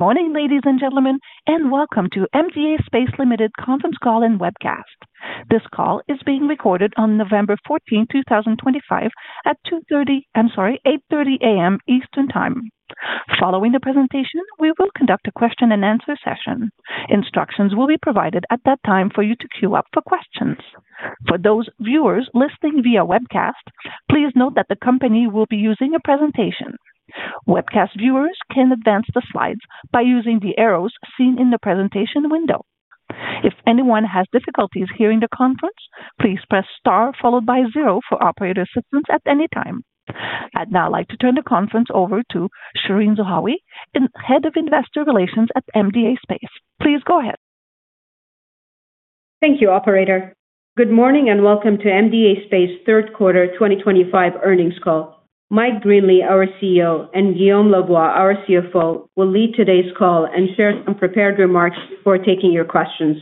Morning, ladies and gentlemen, and welcome to MDA Space conference call and webcast. This call is being recorded on November 14, 2025, at 8:30 A.M. Eastern Time. Following the presentation, we will conduct a question-and-answer session. Instructions will be provided at that time for you to queue up for questions. For those viewers listening via webcast, please note that the company will be using a presentation. Webcast viewers can advance the slides by using the arrows seen in the presentation window. If anyone has difficulties hearing the conference, please press star followed by zero for operator assistance at any time. I'd now like to turn the conference over to Shereen Zahawi, Head of Investor Relations at MDA Space. Please go ahead. Thank you, Operator. Good morning and welcome to MDA Space third quarter 2025 earnings call. Mike Greenley, our CEO, and Guillaume Lavoie, our CFO, will lead today's call and share some prepared remarks before taking your questions.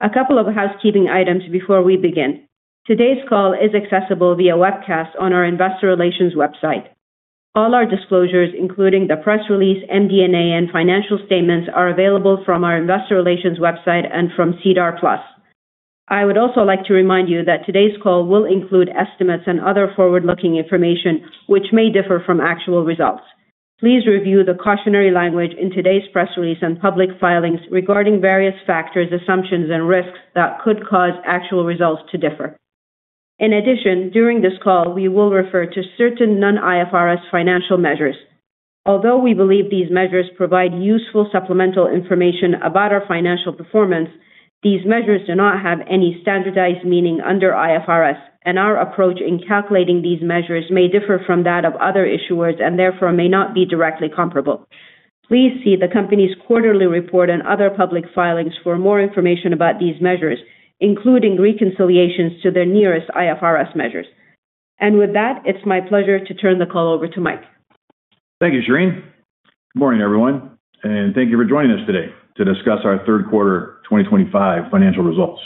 A couple of housekeeping items before we begin. Today's call is accessible via webcast on our Investor Relations website. All our disclosures, including the press release, MD&A, and financial statements, are available from our Investor Relations website and from SEDAR+. I would also like to remind you that today's call will include estimates and other forward-looking information, which may differ from actual results. Please review the cautionary language in today's press release and public filings regarding various factors, assumptions, and risks that could cause actual results to differ. In addition, during this call, we will refer to certain non-IFRS financial measures. Although we believe these measures provide useful supplemental information about our financial performance, these measures do not have any standardized meaning under IFRS, and our approach in calculating these measures may differ from that of other issuers and therefore may not be directly comparable. Please see the company's quarterly report and other public filings for more information about these measures, including reconciliations to their nearest IFRS measures. It is my pleasure to turn the call over to Mike. Thank you, Shereen. Good morning, everyone, and thank you for joining us today to discuss our third quarter 2025 financial results.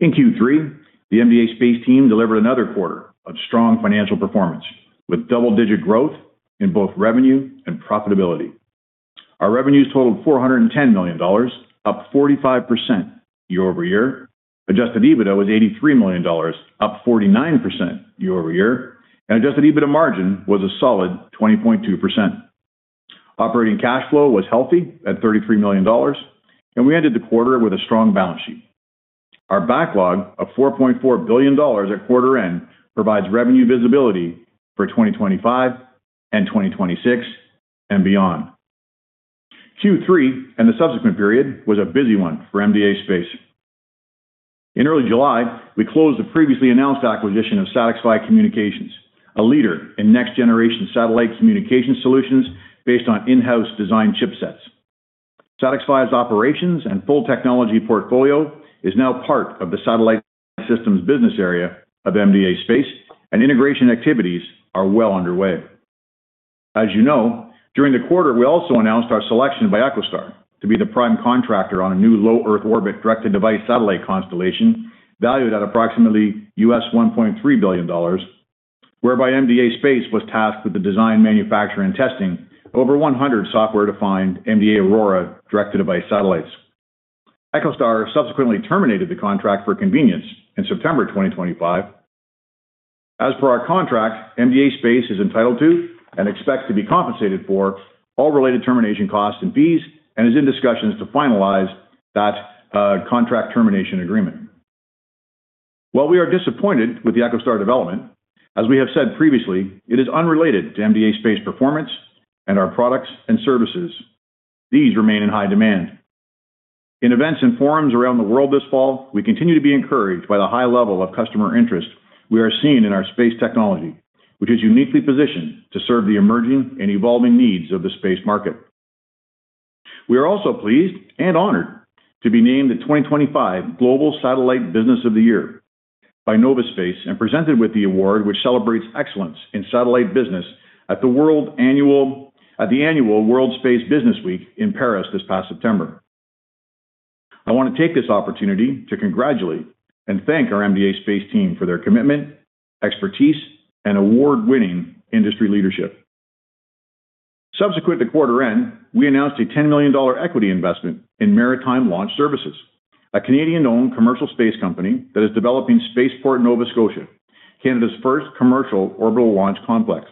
In Q3, the MDA Space team delivered another quarter of strong financial performance with double-digit growth in both revenue and profitability. Our revenues totaled 410 million dollars, up 45% year-over-year. Adjusted EBITDA was 83 million dollars, up 49% year-over-year, and Adjusted EBITDA margin was a solid 20.2%. Operating cash flow was healthy at 33 million dollars, and we ended the quarter with a strong balance sheet. Our backlog of 4.4 billion dollars at quarter end provides revenue visibility for 2025 and 2026 and beyond. Q3 and the subsequent period was a busy one for MDA Space. In early July, we closed the previously announced acquisition of SatixFy Communications, a leader in next-generation satellite communication solutions based on in-house design chipsets. SatixFy's operations and full technology portfolio is now part of the satellite systems business area of MDA Space, and integration activities are well underway. As you know, during the quarter, we also announced our selection by EchoStar to be the prime contractor on a new low Earth orbit direct-to-device satellite constellation valued at approximately $1.3 billion, whereby MDA Space was tasked with the design, manufacturing, and testing of over 100 software-defined MDA AURORA direct-to-device satellites. EchoStar subsequently terminated the contract for convenience in September 2025. As per our contract, MDA Space is entitled to and expects to be compensated for all related termination costs and fees and is in discussions to finalize that contract termination agreement. While we are disappointed with the EchoStar development, as we have said previously, it is unrelated to MDA Space performance and our products and services. These remain in high demand. In events and forums around the world this fall, we continue to be encouraged by the high level of customer interest we are seeing in our space technology, which is uniquely positioned to serve the emerging and evolving needs of the space market. We are also pleased and honored to be named the 2025 Global Satellite Business of the Year by Novaspace and presented with the award which celebrates excellence in satellite business at the annual World Space Business Week in Paris this past September. I want to take this opportunity to congratulate and thank our MDA Space team for their commitment, expertise, and award-winning industry leadership. Subsequent to quarter end, we announced a 10 million dollar equity investment in Maritime Launch Services, a Canadian-owned commercial space company that is developing Spaceport Nova Scotia, Canada's first commercial orbital launch complex.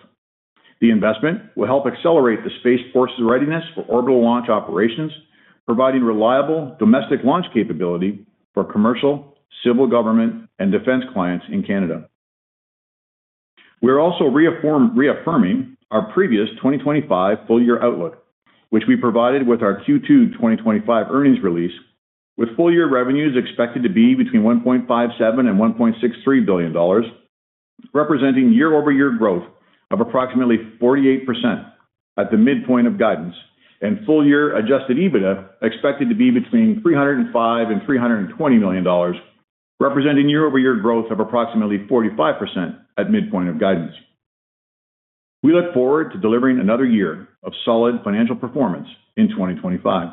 The investment will help accelerate the Space Force's readiness for orbital launch operations, providing reliable domestic launch capability for commercial, civil government, and defense clients in Canada. We are also reaffirming our previous 2025 full-year outlook, which we provided with our Q2 2025 earnings release, with full-year revenues expected to be between 1.57 billion-1.63 billion dollars, representing year-over-year growth of approximately 48% at the midpoint of guidance, and full-year Adjusted EBITDA expected to be between 305 million-320 million dollars, representing year-over-year growth of approximately 45% at midpoint of guidance. We look forward to delivering another year of solid financial performance in 2025.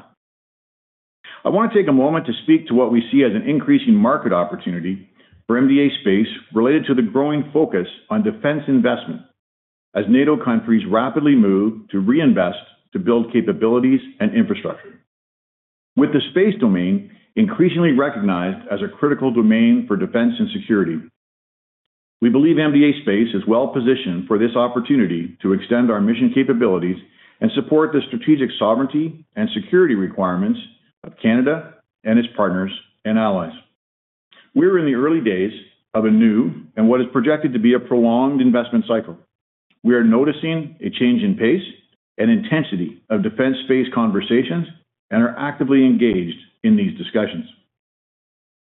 I want to take a moment to speak to what we see as an increasing market opportunity for MDA Space related to the growing focus on defense investment as NATO countries rapidly move to reinvest to build capabilities and infrastructure. With the space domain increasingly recognized as a critical domain for defense and security, we believe MDA Space is well positioned for this opportunity to extend our mission capabilities and support the strategic sovereignty and security requirements of Canada and its partners and allies. We are in the early days of a new and what is projected to be a prolonged investment cycle. We are noticing a change in pace and intensity of defense space conversations and are actively engaged in these discussions.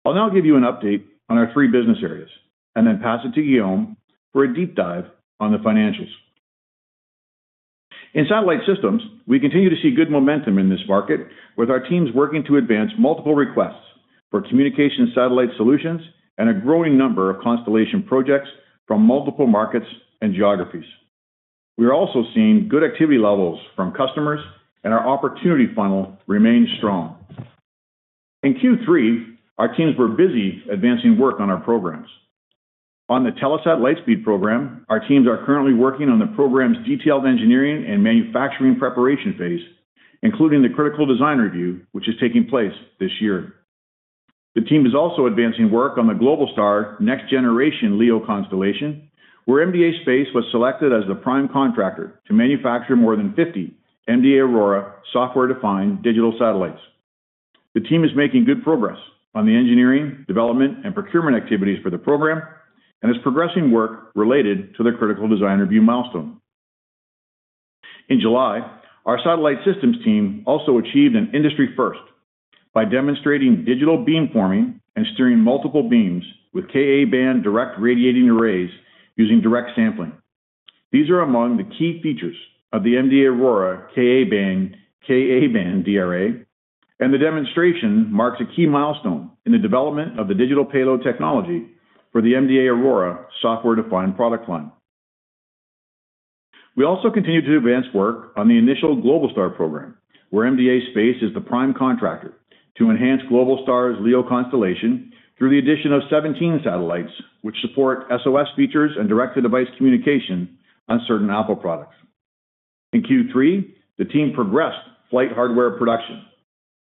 I will now give you an update on our three business areas and then pass it to Guillaume for a deep dive on the financials. In satellite systems, we continue to see good momentum in this market, with our teams working to advance multiple requests for communication satellite solutions and a growing number of constellation projects from multiple markets and geographies. We are also seeing good activity levels from customers, and our opportunity funnel remains strong. In Q3, our teams were busy advancing work on our programs. On the Telesat Lightspeed program, our teams are currently working on the program's detailed engineering and manufacturing preparation phase, including the critical design review, which is taking place this year. The team is also advancing work on the Globalstar next-generation LEO constellation, where MDA Space was selected as the prime contractor to manufacture more than 50 MDA AURORA software-defined digital satellites. The team is making good progress on the engineering, development, and procurement activities for the program and is progressing work related to the critical design review milestone. In July, our satellite systems team also achieved an industry first by demonstrating digital beamforming and steering multiple beams with KA band direct radiating arrays using direct sampling. These are among the key features of the MDA AURORA KA band KA band DRA, and the demonstration marks a key milestone in the development of the digital payload technology for the MDA AURORA software-defined product line. We also continue to advance work on the initial Globalstar program, where MDA Space is the prime contractor to enhance Globalstar's LEO constellation through the addition of 17 satellites, which support SOS features and direct-to-device communication on certain Apple products. In Q3, the team progressed flight hardware production.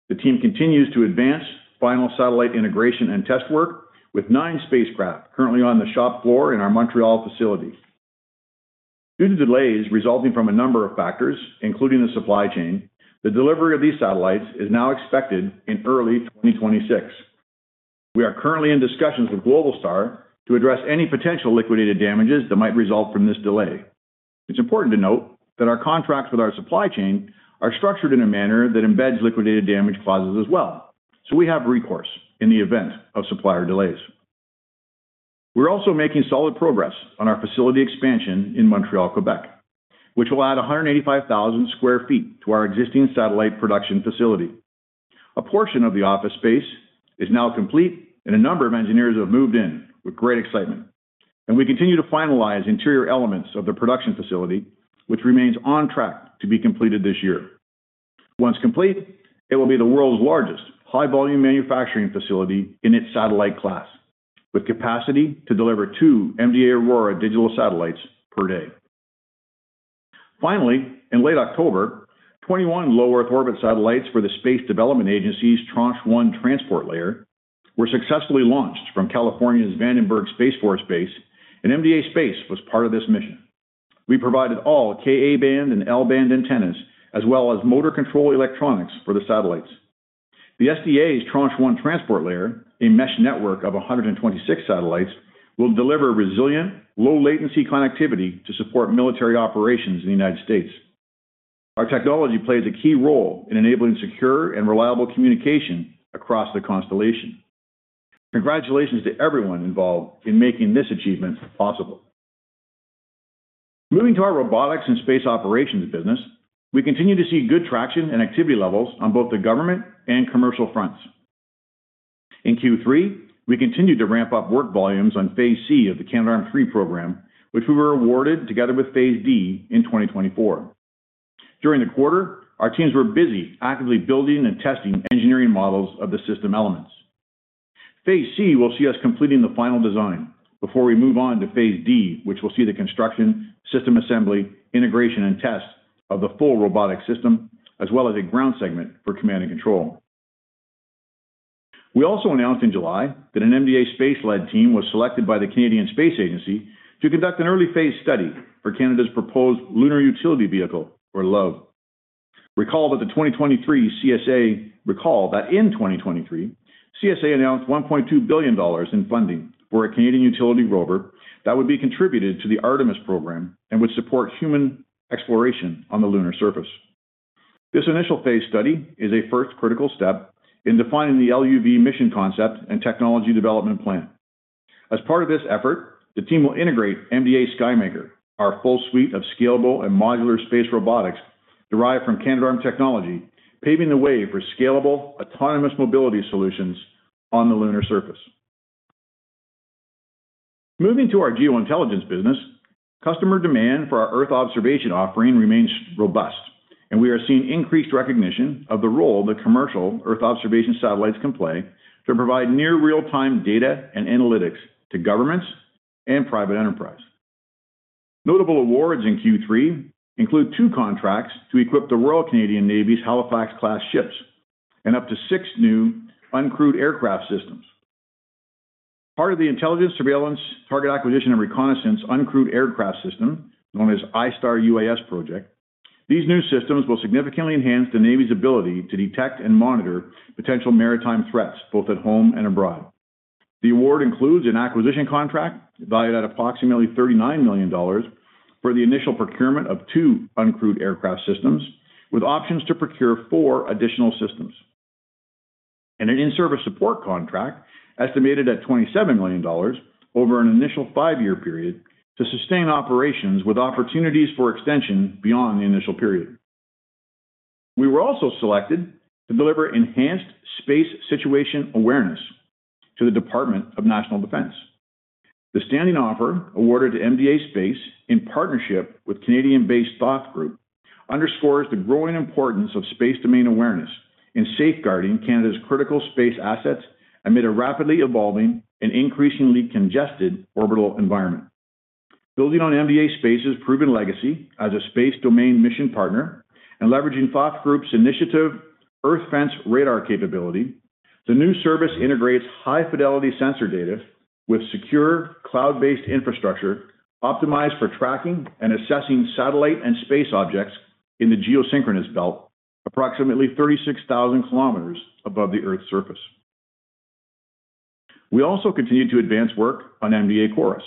The team continues to advance final satellite integration and test work with nine spacecraft currently on the shop floor in our Montreal facility. Due to delays resulting from a number of factors, including the supply chain, the delivery of these satellites is now expected in early 2026. We are currently in discussions with Globalstar to address any potential liquidated damages that might result from this delay. It's important to note that our contracts with our supply chain are structured in a manner that embeds liquidated damage clauses as well, so we have recourse in the event of supplier delays. We're also making solid progress on our facility expansion in Montreal, Quebec, which will add 185,000 sq ft to our existing satellite production facility. A portion of the office space is now complete, and a number of engineers have moved in with great excitement. We continue to finalize interior elements of the production facility, which remains on track to be completed this year. Once complete, it will be the world's largest high-volume manufacturing facility in its satellite class, with capacity to deliver two MDA AURORA digital satellites per day. Finally, in late October, 21 low Earth orbit satellites for the Space Development Agency's Tranche 1 Transport Layer were successfully launched from California's Vandenberg Space Force Base, and MDA Space was part of this mission. We provided all KA band and L band antennas, as well as motor control electronics for the satellites. The SDA's Tranche 1 Transport Layer, a mesh network of 126 satellites, will deliver resilient low-latency connectivity to support military operations in the United States. Our technology plays a key role in enabling secure and reliable communication across the constellation. Congratulations to everyone involved in making this achievement possible. Moving to our robotics and space operations business, we continue to see good traction and activity levels on both the government and commercial fronts. In Q3, we continued to ramp up work volumes on Phase C of the Canadarm3 program, which we were awarded together with Phase D in 2024. During the quarter, our teams were busy actively building and testing engineering models of the system elements. Phase C will see us completing the final design before we move on to Phase D, which will see the construction, system assembly, integration, and test of the full robotic system, as well as a ground segment for command and control. We also announced in July that an MDA Space-led team was selected by the Canadian Space Agency to conduct an early phase study for Canada's proposed lunar utility vehicle, or LUV. Recall that in 2023, the CSA announced 1.2 billion dollars in funding for a Canadian utility rover that would be contributed to the Artemis program and would support human exploration on the lunar surface. This initial phase study is a first critical step in defining the LUV mission concept and technology development plan. As part of this effort, the team will integrate MDA SKYMAKER, our full suite of scalable and modular space robotics derived from Canadarm technology, paving the way for scalable autonomous mobility solutions on the lunar surface. Moving to our geointelligence business, customer demand for our Earth observation offering remains robust, and we are seeing increased recognition of the role that commercial Earth observation satellites can play to provide near real-time data and analytics to governments and private enterprise. Notable awards in Q3 include two contracts to equip the Royal Canadian Navy's Halifax-class ships and up to six new uncrewed aircraft systems. Part of the Intelligence, Surveillance, Target Acquisition, and Reconnaissance Uncrewed Aircraft System, known as ISTAR UAS project, these new systems will significantly enhance the Navy's ability to detect and monitor potential maritime threats both at home and abroad. The award includes an acquisition contract valued at approximately 39 million dollars for the initial procurement of two uncrewed aircraft systems, with options to procure four additional systems. An in-service support contract estimated at 27 million dollars over an initial five-year period to sustain operations with opportunities for extension beyond the initial period. We were also selected to deliver enhanced space situation awareness to the Department of National Defense. The standing offer awarded to MDA Space in partnership with Canadian-based ThothX Group underscores the growing importance of space domain awareness in safeguarding Canada's critical space assets amid a rapidly evolving and increasingly congested orbital environment. Building on MDA Space's proven legacy as a space domain mission partner and leveraging ThothX Group's initiative Earth Fence radar capability, the new service integrates high-fidelity sensor data with secure cloud-based infrastructure optimized for tracking and assessing satellite and space objects in the geosynchronous belt approximately 36,000 km above the Earth's surface. We also continue to advance work on MDA CHORUS.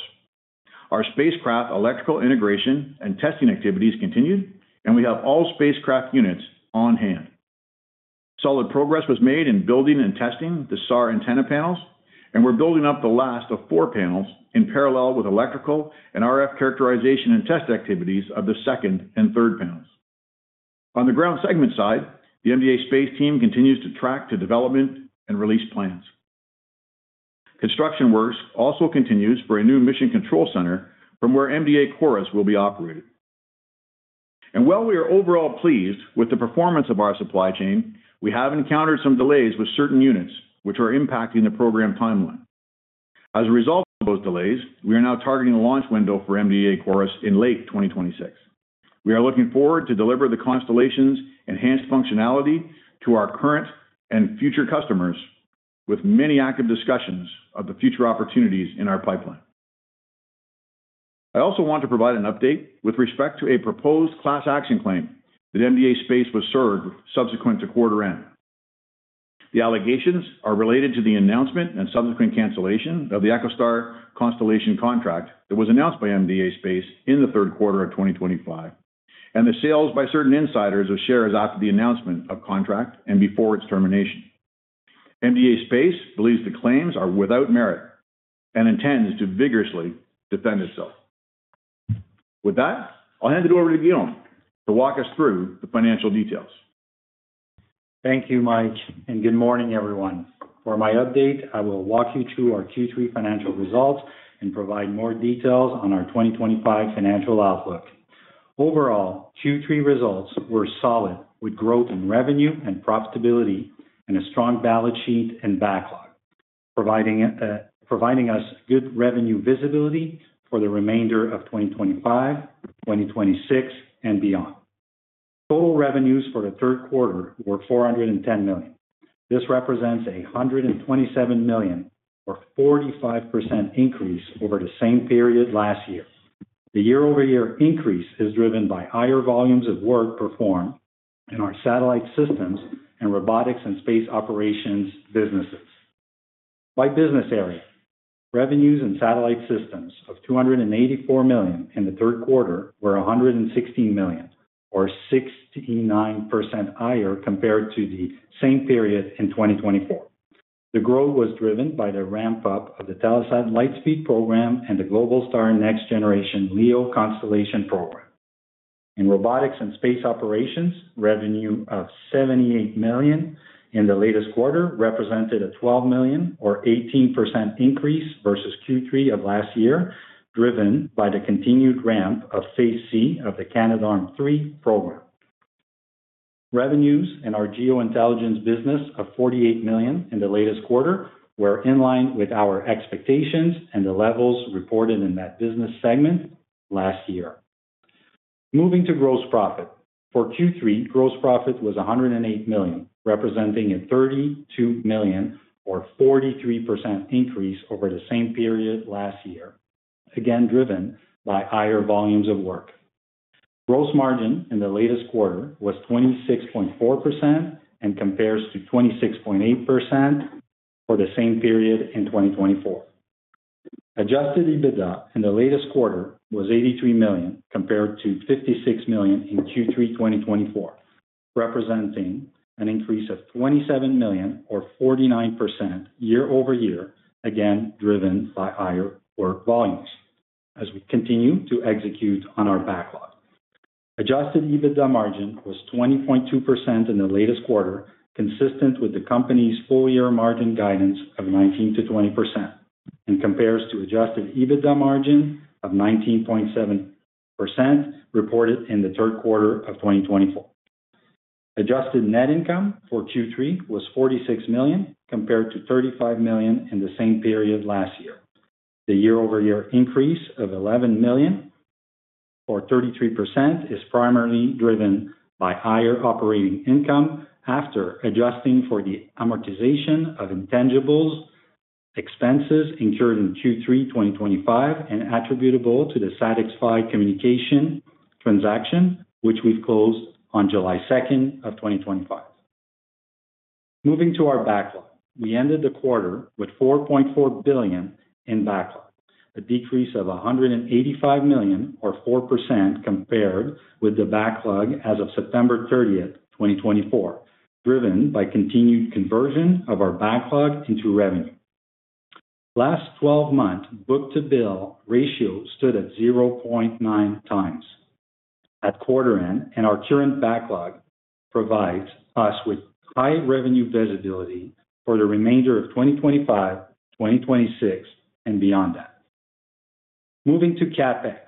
Our spacecraft electrical integration and testing activities continued, and we have all spacecraft units on hand. Solid progress was made in building and testing the SAR antenna panels, and we're building up the last of four panels in parallel with electrical and RF characterization and test activities of the second and third panels. On the ground segment side, the MDA Space team continues to track development and release plans. Construction works also continue for a new mission control center from where MDA CHORUS will be operated. While we are overall pleased with the performance of our supply chain, we have encountered some delays with certain units, which are impacting the program timeline. As a result of those delays, we are now targeting a launch window for MDA CHORUS in late 2026. We are looking forward to delivering the constellation's enhanced functionality to our current and future customers, with many active discussions of the future opportunities in our pipeline. I also want to provide an update with respect to a proposed class action claim that MDA Space was served subsequent to quarter end. The allegations are related to the announcement and subsequent cancellation of the EchoStar constellation contract that was announced by MDA Space in the third quarter of 2025, and the sales by certain insiders of shares after the announcement of contract and before its termination. MDA Space believes the claims are without merit and intends to vigorously defend itself. With that, I'll hand it over to Guillaume to walk us through the financial details. Thank you, Mike, and good morning, everyone. For my update, I will walk you through our Q3 financial results and provide more details on our 2025 financial outlook. Overall, Q3 results were solid, with growth in revenue and profitability and a strong balance sheet and backlog, providing us good revenue visibility for the remainder of 2025, 2026, and beyond. Total revenues for the third quarter were 410 million. This represents a 127 million, or 45% increase over the same period last year. The year-over-year increase is driven by higher volumes of work performed in our satellite systems and robotics and space operations businesses. By business area, revenues in satellite systems of 284 million in the third quarter were 116 million, or 69% higher compared to the same period in 2024. The growth was driven by the ramp-up of the Telesat Lightspeed program and the Globalstar next-generation LEO constellation program. In robotics and space operations, revenue of 78 million in the latest quarter represented a 12 million, or 18% increase versus Q3 of last year, driven by the continued ramp of Phase C of the Canadarm3 program. Revenues in our geointelligence business of 48 million in the latest quarter were in line with our expectations and the levels reported in that business segment last year. Moving to gross profit. For Q3, gross profit was 108 million, representing a 32 million, or 43% increase over the same period last year, again driven by higher volumes of work. Gross margin in the latest quarter was 26.4% and compares to 26.8% for the same period in 2024. Adjusted EBITDA in the latest quarter was 83 million compared to 56 million in Q3 2024, representing an increase of 27 million, or 49% year-over-year, again driven by higher work volumes as we continue to execute on our backlog. Adjusted EBITDA margin was 20.2% in the latest quarter, consistent with the company's full-year margin guidance of 19%-20%, and compares to Adjusted EBITDA margin of 19.7% reported in the third quarter of 2024. Adjusted net income for Q3 was 46 million compared to 35 million in the same period last year. The year-over-year increase of 11 million, or 33%, is primarily driven by higher operating income after adjusting for the amortization of intangibles expenses incurred in Q3 2025 and attributable to the SatixFy Communications transaction, which we've closed on July 2nd of 2025. Moving to our backlog, we ended the quarter with 4.4 billion in backlog, a decrease of 185 million, or 4%, compared with the backlog as of September 30th, 2024, driven by continued conversion of our backlog into revenue. Last 12 months, book-to-bill ratio stood at 0.9 times. At quarter end, our current backlog provides us with high revenue visibility for the remainder of 2025, 2026, and beyond that. Moving to CapEx,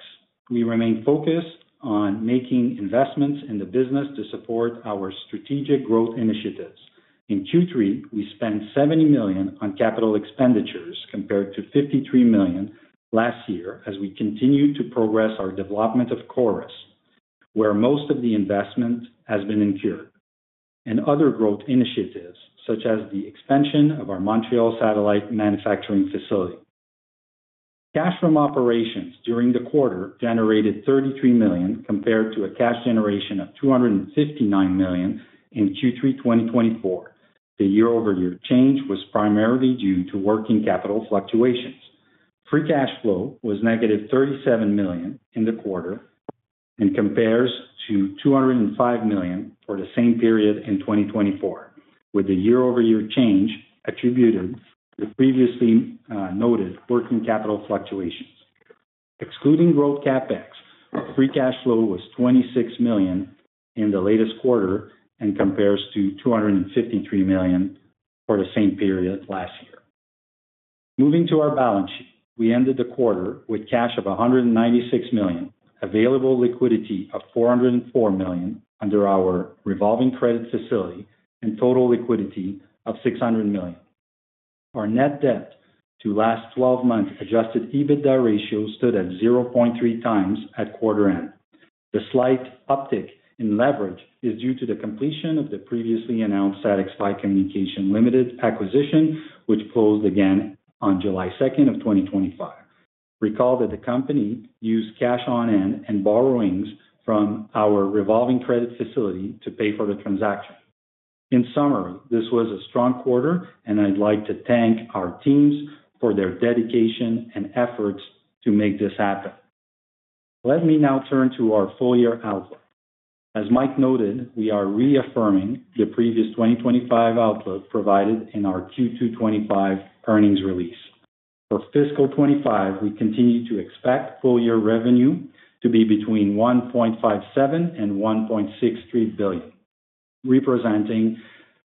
we remain focused on making investments in the business to support our strategic growth initiatives. In Q3, we spent CAD 70 million on capital expenditures compared to CAD 53 million last year as we continue to progress our development of Chorus, where most of the investment has been incurred, and other growth initiatives such as the expansion of our Montreal satellite manufacturing facility. Cash from operations during the quarter generated 33 million compared to a cash generation of 259 million in Q3 2024. The year-over-year change was primarily due to working capital fluctuations. Free cash flow was -37 million in the quarter and compares to 205 million for the same period in 2024, with the year-over-year change attributed to the previously noted working capital fluctuations. Excluding growth CapEx, free cash flow was 26 million in the latest quarter and compares to 253 million for the same period last year. Moving to our balance sheet, we ended the quarter with cash of 196 million, available liquidity of 404 million under our revolving credit facility, and total liquidity of 600 million. Our net debt to last 12 months Adjusted EBITDA ratio stood at 0.3 times at quarter end. The slight uptick in leverage is due to the completion of the previously announced SatixFy Communications acquisition, which closed again on July 2nd, 2025. Recall that the company used cash on hand and borrowings from our revolving credit facility to pay for the transaction. In summary, this was a strong quarter, and I'd like to thank our teams for their dedication and efforts to make this happen. Let me now turn to our full-year outlook. As Mike noted, we are reaffirming the previous 2025 outlook provided in our Q2 2025 earnings release. For fiscal 2025, we continue to expect full-year revenue to be between 1.57 billion-1.63 billion, representing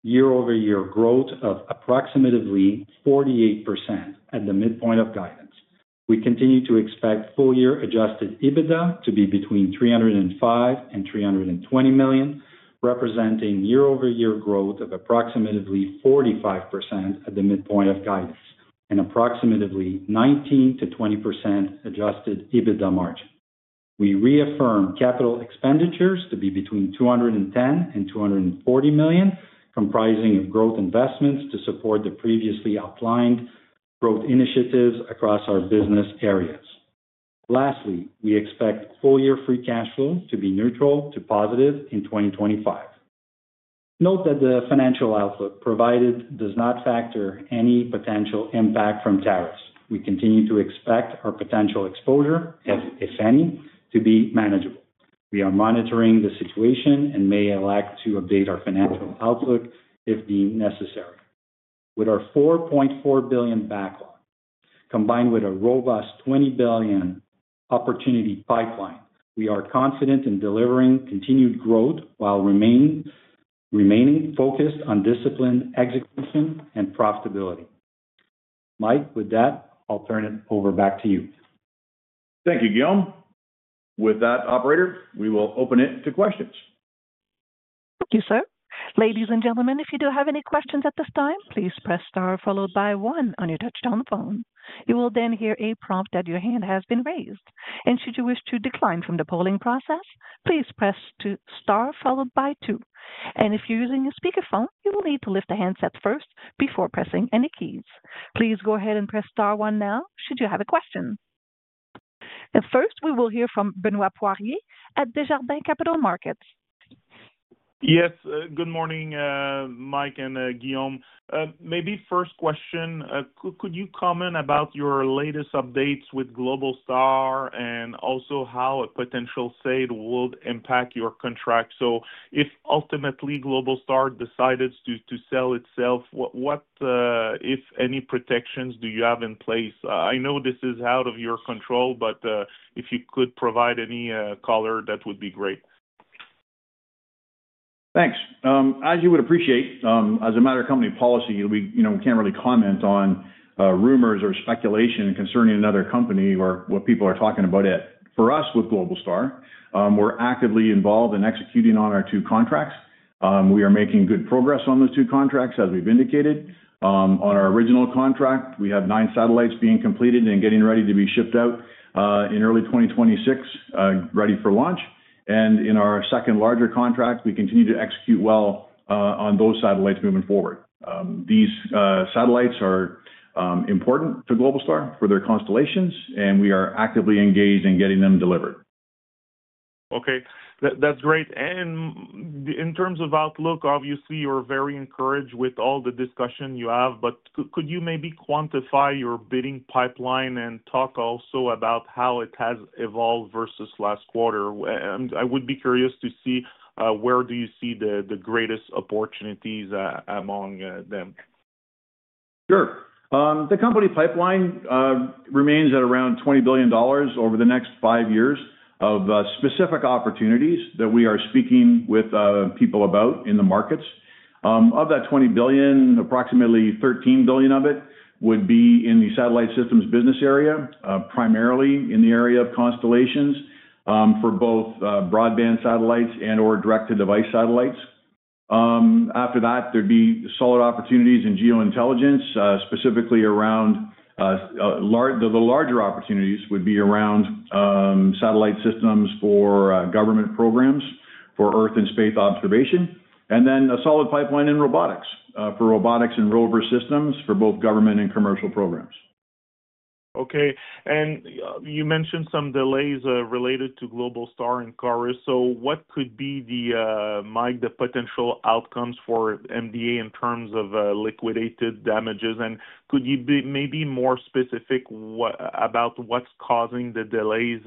year-over-year growth of approximately 48% at the midpoint of guidance. We continue to expect full-year Adjusted EBITDA to be between 305 million-320 million, representing year-over-year growth of approximately 45% at the midpoint of guidance and approximately 19%-20% Adjusted EBITDA margin. We reaffirm capital expenditures to be between 210 million-240 million, comprising growth investments to support the previously outlined growth initiatives across our business areas. Lastly, we expect full-year free cash flow to be neutral to positive in 2025. Note that the financial outlook provided does not factor any potential impact from tariffs. We continue to expect our potential exposure, if any, to be manageable. We are monitoring the situation and may elect to update our financial outlook if deemed necessary. With our $4.4 billion backlog, combined with a robust $20 billion opportunity pipeline, we are confident in delivering continued growth while remaining focused on disciplined execution and profitability. Mike, with that, I'll turn it over back to you. Thank you, Guillaume. With that, operator, we will open it to questions. Thank you, sir. Ladies and gentlemen, if you do have any questions at this time, please press star followed by one on your touch-tone phone. You will then hear a prompt that your hand has been raised. Should you wish to decline from the polling process, please press star followed by two. If you're using a speakerphone, you will need to lift the handset first before pressing any keys. Please go ahead and press star one now should you have a question. First, we will hear from Benoit Poirier at Desjardins Capital Markets. Yes, good morning, Mike and Guillaume. Maybe first question, could you comment about your latest updates with Globalstar and also how a potential sale would impact your contract? If ultimately Globalstar decided to sell itself, what, if any, protections do you have in place? I know this is out of your control, but if you could provide any color, that would be great. Thanks. As you would appreciate, as a matter of company policy, we can't really comment on rumors or speculation concerning another company or what people are talking about it. For us with Globalstar, we're actively involved in executing on our two contracts. We are making good progress on the two contracts as we've indicated. On our original contract, we have nine satellites being completed and getting ready to be shipped out in early 2026, ready for launch. In our second larger contract, we continue to execute well on those satellites moving forward. These satellites are important to Globalstar for their constellations, and we are actively engaged in getting them delivered. Okay, that's great. In terms of outlook, obviously, you're very encouraged with all the discussion you have, but could you maybe quantify your bidding pipeline and talk also about how it has evolved versus last quarter? I would be curious to see where do you see the greatest opportunities among them? Sure. The company pipeline remains at around $20 billion over the next five years of specific opportunities that we are speaking with people about in the markets. Of that $20 billion, approximately $13 billion of it would be in the satellite systems business area, primarily in the area of constellations for both broadband satellites and/or direct-to-device satellites. After that, there'd be solid opportunities in geointelligence, specifically around the larger opportunities would be around satellite systems for government programs for Earth and space observation, and then a solid pipeline in robotics for robotics and rover systems for both government and commercial programs. Okay. You mentioned some delays related to Globalstar and CHORUS. What could be, Mike, the potential outcomes for MDA in terms of liquidated damages? Could you be maybe more specific about what's causing the delays?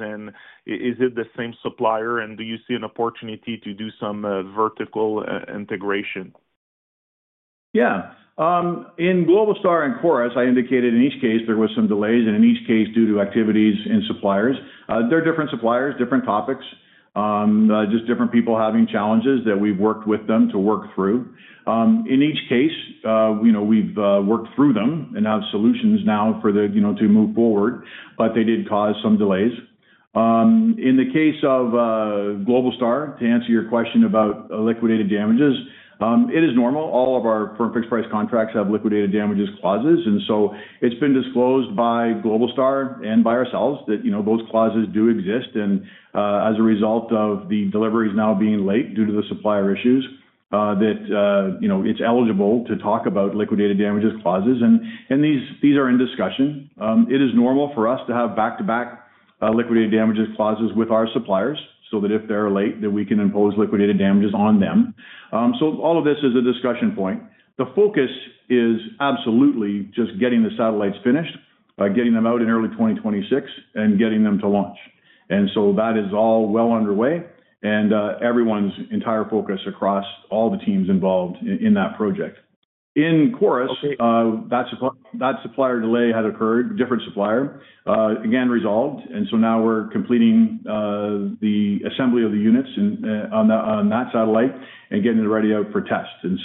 Is it the same supplier? Do you see an opportunity to do some vertical integration? Yeah. In Globalstar and CHORUS, I indicated in each case, there were some delays, and in each case, due to activities in suppliers. They're different suppliers, different topics, just different people having challenges that we've worked with them to work through. In each case, we've worked through them and have solutions now to move forward, but they did cause some delays. In the case of Globalstar, to answer your question about liquidated damages, it is normal. All of our firm fixed price contracts have liquidated damages clauses. It has been disclosed by Globalstar and by ourselves that those clauses do exist. As a result of the deliveries now being late due to the supplier issues, it is eligible to talk about liquidated damages clauses. These are in discussion. It is normal for us to have back-to-back liquidated damages clauses with our suppliers so that if they are late, we can impose liquidated damages on them. All of this is a discussion point. The focus is absolutely just getting the satellites finished, getting them out in early 2026, and getting them to launch. That is all well underway, and everyone's entire focus across all the teams involved in that project. In CHORUS, that supplier delay had occurred, different supplier, again, resolved. Now we are completing the assembly of the units on that satellite and getting it ready out for tests.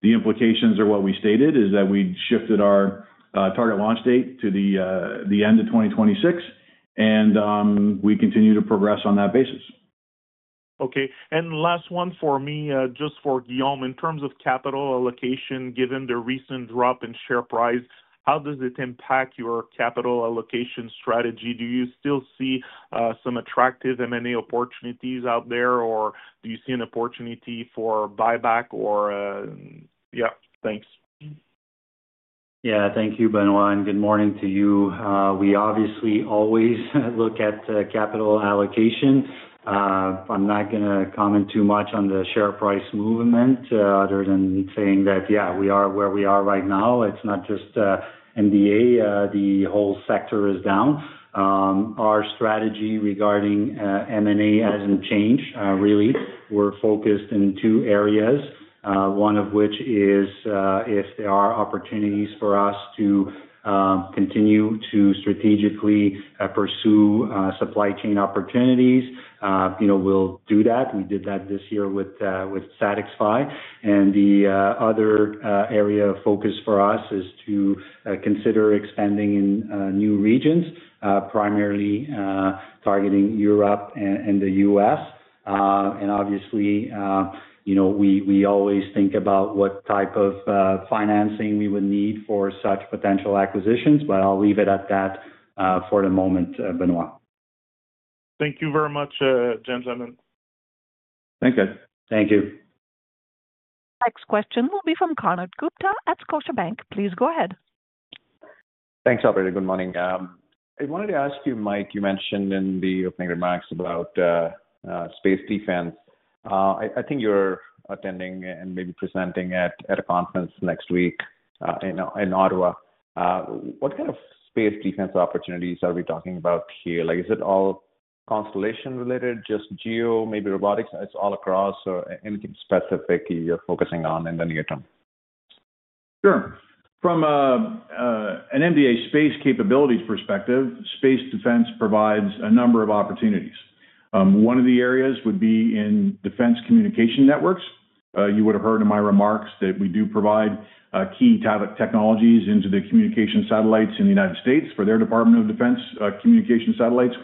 The implications are what we stated, which is that we shifted our target launch date to the end of 2026, and we continue to progress on that basis. Okay. Last one for me, just for Guillaume, in terms of capital allocation, given the recent drop in share price, how does it impact your capital allocation strategy? Do you still see some attractive M&A opportunities out there, or do you see an opportunity for buyback or? Yeah, thanks. Thank you, Benoît. Good morning to you. We obviously always look at capital allocation. I'm not going to comment too much on the share price movement other than saying that, yeah, we are where we are right now. It's not just MDA; the whole sector is down. Our strategy regarding M&A hasn't changed, really. We're focused in two areas, one of which is if there are opportunities for us to continue to strategically pursue supply chain opportunities, we'll do that. We did that this year with SatixFy. The other area of focus for us is to consider expanding in new regions, primarily targeting Europe and the U.S. Obviously, we always think about what type of financing we would need for such potential acquisitions, but I'll leave it at that for the moment, Benoit. Thank you very much, gentlemen. Thank you. Thank you. Next question will be from Konark Gupta at Scotiabank. Please go ahead. Thanks, Alberto. Good morning. I wanted to ask you, Mike, you mentioned in the opening remarks about space defense. I think you're attending and maybe presenting at a conference next week in Ottawa. What kind of space defense opportunities are we talking about here? Is it all constellation related, just geo, maybe robotics, it's all across, or anything specific you're focusing on in the near term? Sure. From an MDA Space capabilities perspective, space defense provides a number of opportunities. One of the areas would be in defense communication networks. You would have heard in my remarks that we do provide key technologies into the communication satellites in the United States for their Department of Defense communication satellites.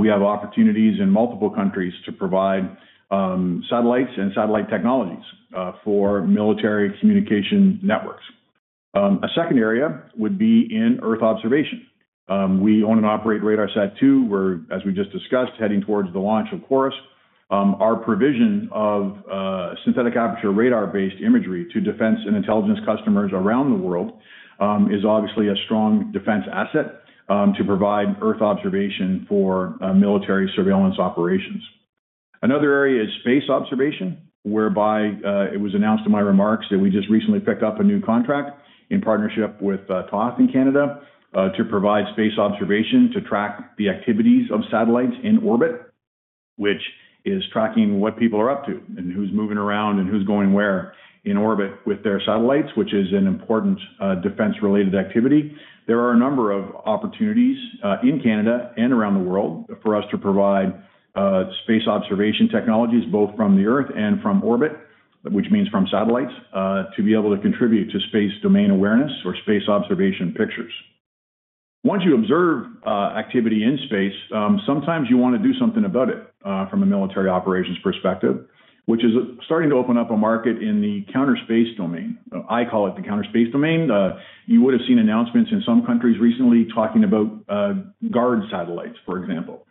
We have opportunities in multiple countries to provide satellites and satellite technologies for military communication networks. A second area would be in Earth observation. We own and operate RADARSAT-2, we're, as we just discussed, heading towards the launch of CHORUS. Our provision of synthetic aperture radar-based imagery to defense and intelligence customers around the world is obviously a strong defense asset to provide Earth observation for military surveillance operations. Another area is space observation, whereby it was announced in my remarks that we just recently picked up a new contract in partnership with ThothX Group in Canada to provide space observation to track the activities of satellites in orbit, which is tracking what people are up to and who's moving around and who's going where in orbit with their satellites, which is an important defense-related activity. There are a number of opportunities in Canada and around the world for us to provide space observation technologies, both from the Earth and from orbit, which means from satellites, to be able to contribute to space domain awareness or space observation pictures. Once you observe activity in space, sometimes you want to do something about it from a military operations perspective, which is starting to open up a market in the counterspace domain. I call it the counterspace domain. You would have seen announcements in some countries recently talking about guard satellites, for example.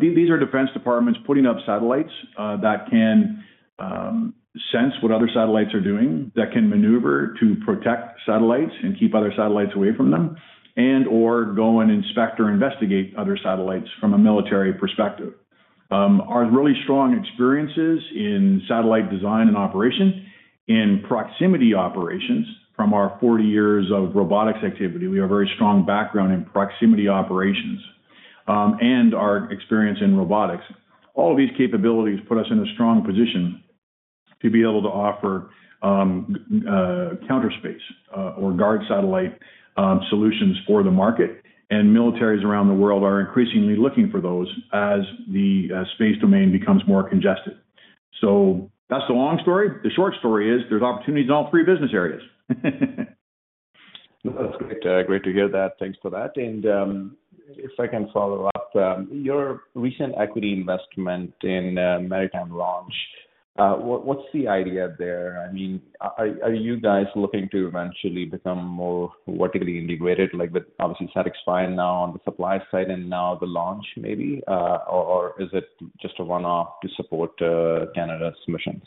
These are defense departments putting up satellites that can sense what other satellites are doing, that can maneuver to protect satellites and keep other satellites away from them, and/or go and inspect or investigate other satellites from a military perspective. Our really strong experiences in satellite design and operation in proximity operations from our 40 years of robotics activity, we have a very strong background in proximity operations and our experience in robotics. All of these capabilities put us in a strong position to be able to offer counterspace or guard satellite solutions for the market, and militaries around the world are increasingly looking for those as the space domain becomes more congested. That is the long story. The short story is there are opportunities in all three business areas. That is great to hear that. Thanks for that. If I can follow up, your recent equity investment in Maritime Launch, what is the idea there? I mean, are you guys looking to eventually become more vertically integrated, like with obviously SatixFy now on the supply side and now the launch maybe, or is it just a one-off to support Canada's missions?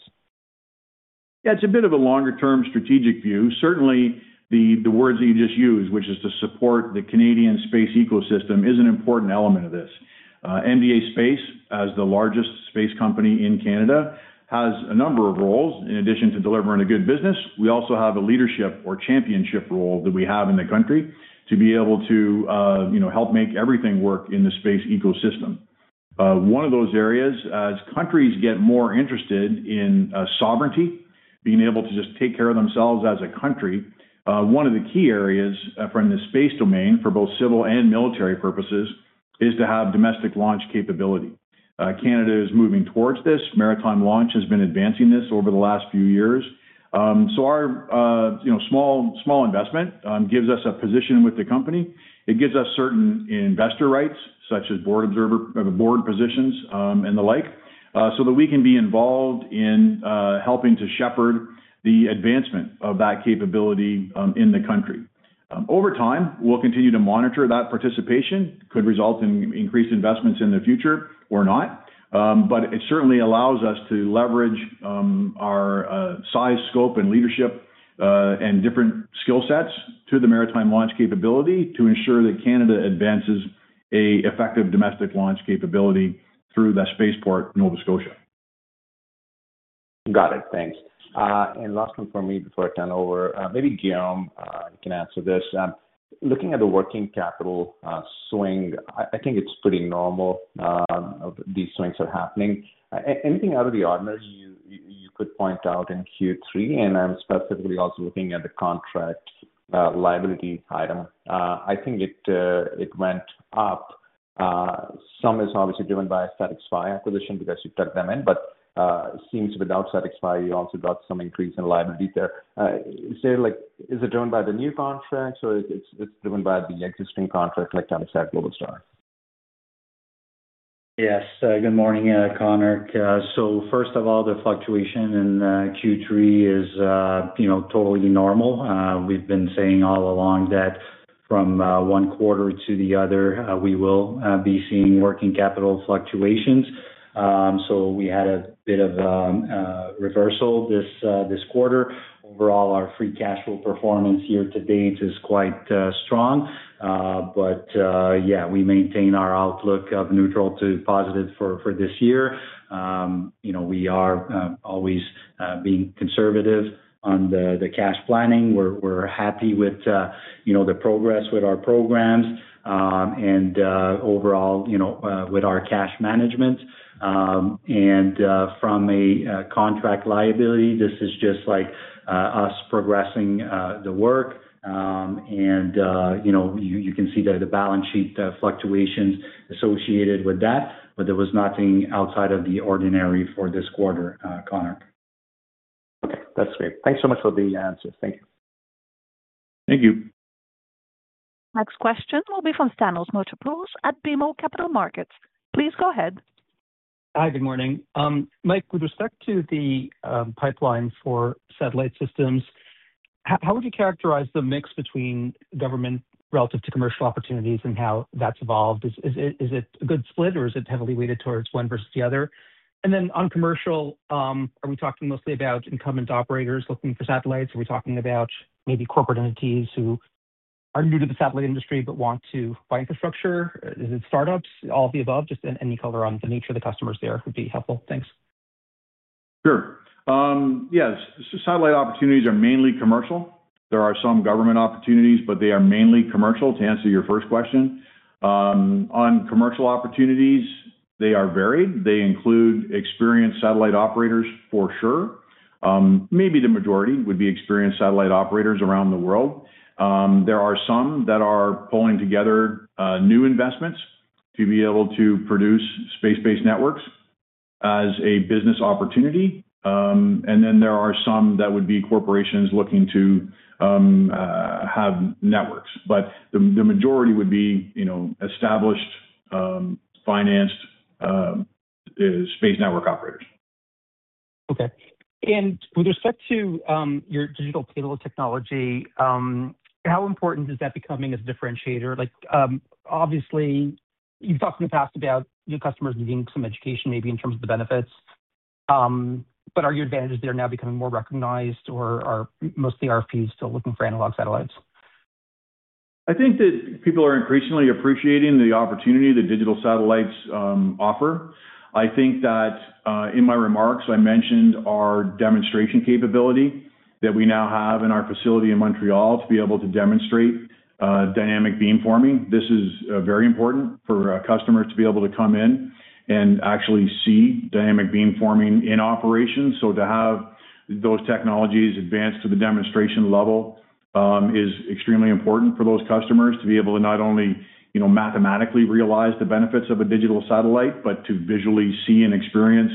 Yeah, it's a bit of a longer-term strategic view. Certainly, the words that you just used, which is to support the Canadian space ecosystem, is an important element of this. MDA Space, as the largest space company in Canada, has a number of roles. In addition to delivering a good business, we also have a leadership or championship role that we have in the country to be able to help make everything work in the space ecosystem. One of those areas, as countries get more interested in sovereignty, being able to just take care of themselves as a country, one of the key areas from the space domain for both civil and military purposes is to have domestic launch capability. Canada is moving towards this. Maritime Launch has been advancing this over the last few years. Our small investment gives us a position with the company. It gives us certain investor rights, such as board positions and the like, so that we can be involved in helping to shepherd the advancement of that capability in the country. Over time, we'll continue to monitor that participation. It could result in increased investments in the future or not, but it certainly allows us to leverage our size, scope, and leadership and different skill sets to the Maritime Launch capability to ensure that Canada advances an effective domestic launch capability through the Spaceport, Nova Scotia. Got it. Thanks. Last one for me before I turn over. Maybe Guillaume can answer this. Looking at the working capital swing, I think it's pretty normal these swings are happening. Anything out of the ordinary you could point out in Q3? I'm specifically also looking at the contract liability item. I think it went up. Some is obviously driven by SatixFy acquisition because you've dug them in, but it seems without SatixFy, you also got some increase in liability there. Is it driven by the new contract, or it's driven by the existing contract like SatixFy Globalstar? Yes. Good morning, Konark. First of all, the fluctuation in Q3 is totally normal. We've been saying all along that from one quarter to the other, we will be seeing working capital fluctuations. We had a bit of a reversal this quarter. Overall, our free cash flow performance year to date is quite strong. Yeah, we maintain our outlook of neutral to positive for this year. We are always being conservative on the cash planning. We're happy with the progress with our programs and overall with our cash management. From a contract liability, this is just us progressing the work. You can see the balance sheet fluctuations associated with that, but there was nothing outside of the ordinary for this quarter, Konark. Okay. That's great. Thanks so much for the answers. Thank you. Thank you. Next question will be from Thanos Moschopoulos at BMO Capital Markets. Please go ahead. Hi. Good morning. Mike, with respect to the pipeline for satellite systems, how would you characterize the mix between government relative to commercial opportunities and how that's evolved? Is it a good split, or is it heavily weighted towards one versus the other? On commercial, are we talking mostly about incumbent operators looking for satellites? Are we talking about maybe corporate entities who are new to the satellite industry but want to buy infrastructure? Is it startups? All of the above, just any color on the nature of the customers there would be helpful. Thanks. Sure. Yes. Satellite opportunities are mainly commercial. There are some government opportunities, but they are mainly commercial to answer your first question. On commercial opportunities, they are varied. They include experienced satellite operators for sure. Maybe the majority would be experienced satellite operators around the world. There are some that are pulling together new investments to be able to produce space-based networks as a business opportunity. There are some that would be corporations looking to have networks. The majority would be established, financed space network operators. Okay. With respect to your digital payload technology, how important is that becoming as a differentiator? Obviously, you've talked in the past about your customers needing some education maybe in terms of the benefits, but are your advantages there now becoming more recognized, or are most of the RFPs still looking for analog satellites? I think that people are increasingly appreciating the opportunity that digital satellites offer. I think that in my remarks, I mentioned our demonstration capability that we now have in our facility in Montreal to be able to demonstrate dynamic beamforming. This is very important for customers to be able to come in and actually see dynamic beamforming in operations. To have those technologies advanced to the demonstration level is extremely important for those customers to be able to not only mathematically realize the benefits of a digital satellite, but to visually see and experience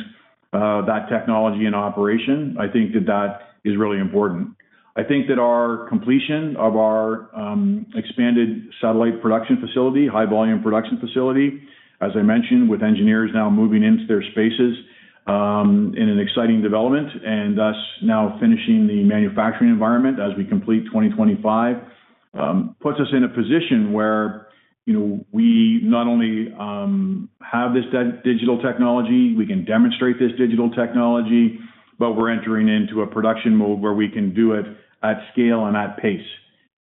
that technology in operation. I think that that is really important. I think that our completion of our expanded satellite production facility, high-volume production facility, as I mentioned, with engineers now moving into their spaces is an exciting development and us now finishing the manufacturing environment as we complete 2025, puts us in a position where we not only have this digital technology, we can demonstrate this digital technology, but we're entering into a production mode where we can do it at scale and at pace.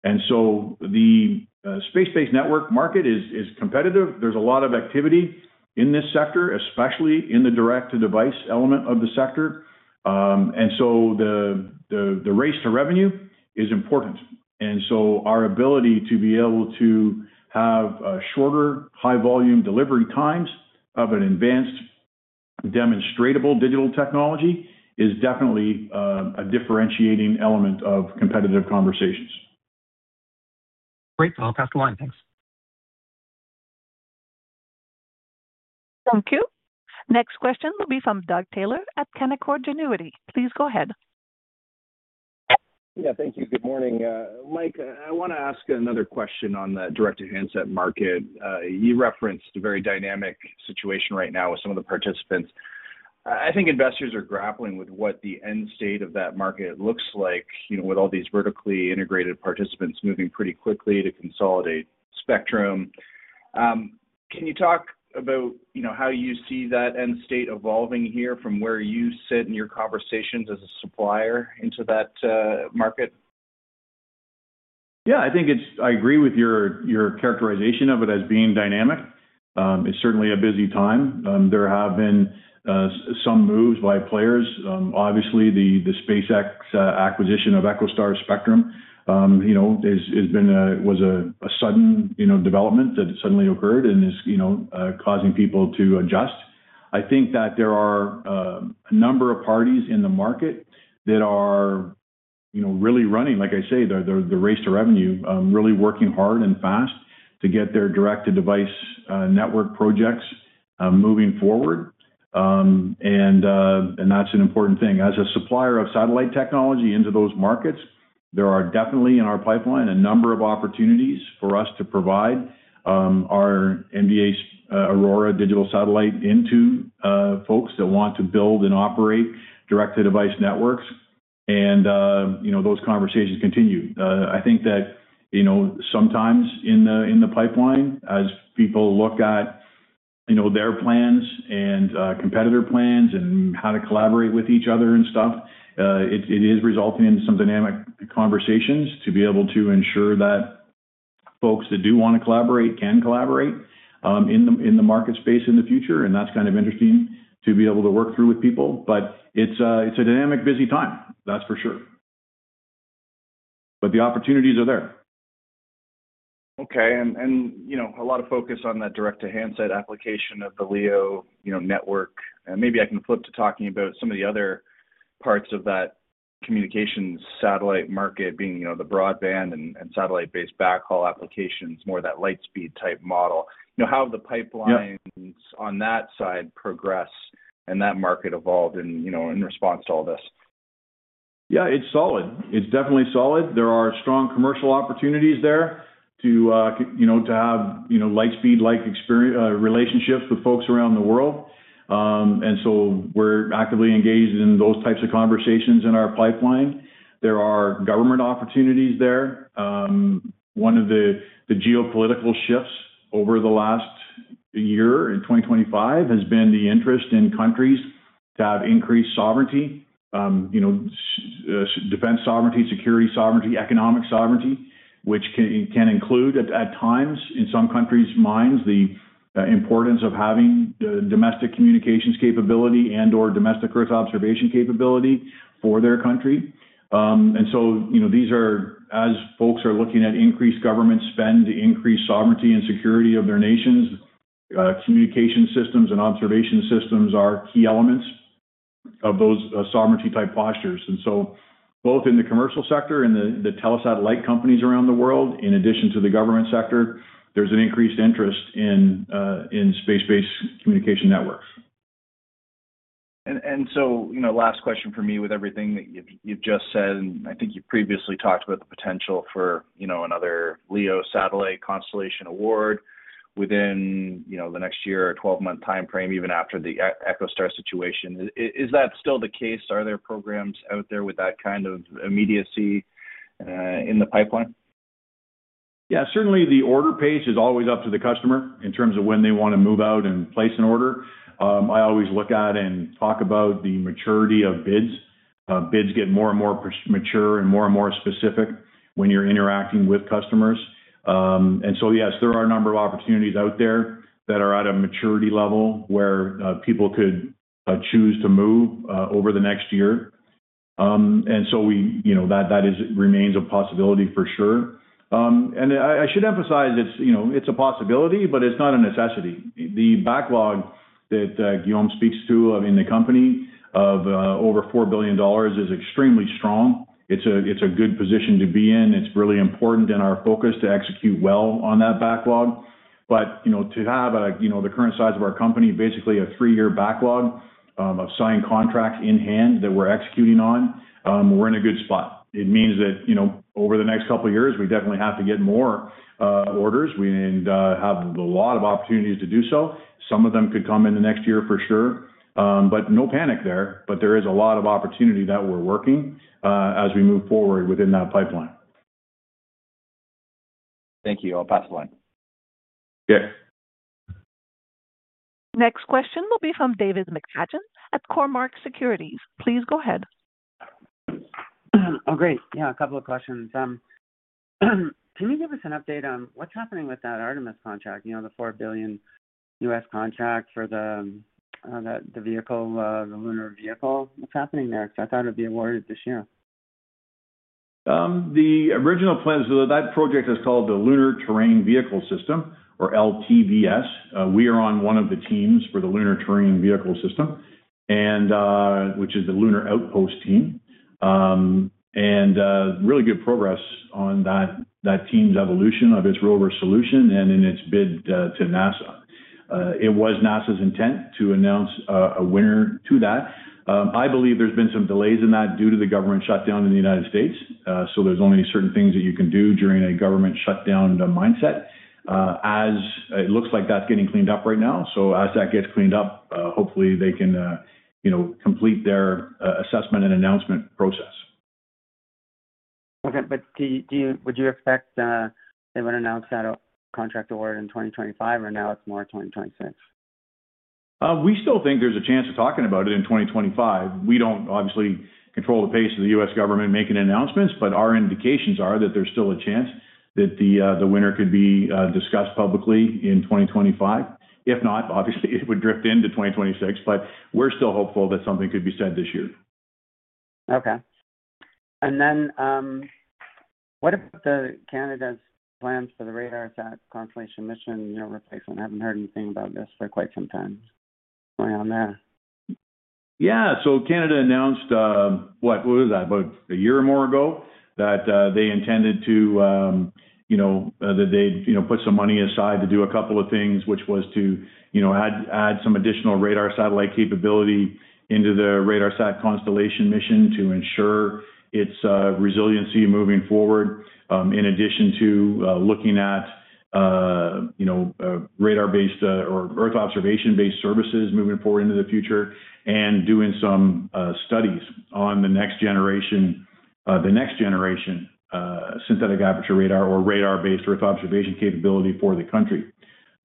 The space-based network market is competitive. There's a lot of activity in this sector, especially in the direct-to-device element of the sector. The race to revenue is important. Our ability to be able to have shorter high-volume delivery times of an advanced demonstrable digital technology is definitely a differentiating element of competitive conversations. Great. I'll pass the line. Thanks. Thank you. Next question will be from Doug Taylor at Canaccord Genuity. Please go ahead. Yeah. Thank you. Good morning. Mike, I want to ask another question on the direct-to-handset market. You referenced a very dynamic situation right now with some of the participants. I think investors are grappling with what the end state of that market looks like with all these vertically integrated participants moving pretty quickly to consolidate spectrum. Can you talk about how you see that end state evolving here from where you sit in your conversations as a supplier into that market? Yeah. I think I agree with your characterization of it as being dynamic. It's certainly a busy time. There have been some moves by players. Obviously, the SpaceX acquisition of EchoStar spectrum was a sudden development that suddenly occurred and is causing people to adjust. I think that there are a number of parties in the market that are really running, like I say, the race to revenue, really working hard and fast to get their direct-to-device network projects moving forward. That is an important thing. As a supplier of satellite technology into those markets, there are definitely in our pipeline a number of opportunities for us to provide our MDA AURORA digital satellite into folks that want to build and operate direct-to-device networks. Those conversations continue. I think that sometimes in the pipeline, as people look at their plans and competitor plans and how to collaborate with each other and stuff, it is resulting in some dynamic conversations to be able to ensure that folks that do want to collaborate can collaborate in the market space in the future. That is kind of interesting to be able to work through with people. It is a dynamic, busy time, that's for sure. The opportunities are there. Okay. A lot of focus on that direct-to-handset application of the LEO network. Maybe I can flip to talking about some of the other parts of that communication satellite market, being the broadband and satellite-based backhaul applications, more of that Lightspeed type model. How have the pipelines on that side progressed and that market evolved in response to all this? Yeah. It's solid. It's definitely solid. There are strong commercial opportunities there to have Lightspeed-like relationships with folks around the world. We are actively engaged in those types of conversations in our pipeline. There are government opportunities there. One of the geopolitical shifts over the last year in 2025 has been the interest in countries to have increased sovereignty, defense sovereignty, security sovereignty, economic sovereignty, which can include at times in some countries' minds the importance of having domestic communications capability and/or domestic Earth observation capability for their country. These are, as folks are looking at increased government spend, increased sovereignty and security of their nations, communication systems and observation systems are key elements of those sovereignty-type postures. Both in the commercial sector and the telesatellite companies around the world, in addition to the government sector, there is an increased interest in space-based communication networks. Last question for me with everything that you've just said. I think you've previously talked about the potential for another LEO satellite constellation award within the next year or 12-month time frame, even after the EchoStar situation. Is that still the case? Are there programs out there with that kind of immediacy in the pipeline? Yeah. Certainly, the order page is always up to the customer in terms of when they want to move out and place an order. I always look at and talk about the maturity of bids. Bids get more and more mature and more and more specific when you're interacting with customers. Yes, there are a number of opportunities out there that are at a maturity level where people could choose to move over the next year. That remains a possibility for sure. I should emphasize it's a possibility, but it's not a necessity. The backlog that Guillaume speaks to in the company of over $4 billion is extremely strong. It's a good position to be in. It's really important in our focus to execute well on that backlog. To have the current size of our company, basically a three-year backlog of signed contracts in hand that we're executing on, we're in a good spot. It means that over the next couple of years, we definitely have to get more orders and have a lot of opportunities to do so. Some of them could come in the next year for sure. No panic there. There is a lot of opportunity that we're working as we move forward within that pipeline. Thank you. I'll pass the line. Okay. Next question will be from David McFadgen at Cormark Securities. Please go ahead. Oh, great. Yeah. A couple of questions. Can you give us an update on what's happening with that Artemis contract, the $4 billion U.S. contract for the vehicle, the lunar vehicle? What's happening there? Because I thought it would be awarded this year. The original plan is that that project is called the Lunar Terrain Vehicle System, or LTVS. We are on one of the teams for the Lunar Terrain Vehicle System, which is the Lunar Outpost team. Really good progress on that team's evolution of its rover solution and in its bid to NASA. It was NASA's intent to announce a winner to that. I believe there's been some delays in that due to the government shutdown in the United States. There are only certain things that you can do during a government shutdown mindset, as it looks like that's getting cleaned up right now. As that gets cleaned up, hopefully they can complete their assessment and announcement process. Okay. Would you expect they would announce that contract award in 2025, or now it's more 2026? We still think there's a chance of talking about it in 2025. We don't obviously control the pace of the U.S. government making announcements, but our indications are that there's still a chance that the winner could be discussed publicly in 2025. If not, obviously, it would drift into 2026. We're still hopeful that something could be said this year. Okay. What about Canada's plans for the RADARSAT constellation mission replacement? I haven't heard anything about this for quite some time going on there. Yeah. Canada announced, what was that, about a year or more ago that they intended to, that they'd put some money aside to do a couple of things, which was to add some additional radar satellite capability into the RADARSAT constellation mission to ensure its resiliency moving forward, in addition to looking at radar-based or Earth observation-based services moving forward into the future and doing some studies on the next generation synthetic aperture radar or radar-based Earth observation capability for the country.